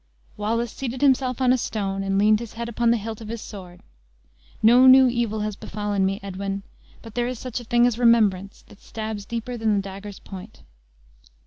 Wallace seated himself on a stone, and leaned his head upon the hilt of his sword. "No new evil has befallen me, Edwin; but there is such a thing as remembrance, that stabs deeper than the dagger's point."